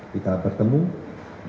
kita bertemu yang terima kasih